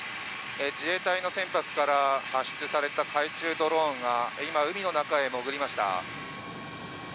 自衛隊の船舶から発出された海中ドローンが今、海の中へ潜りました。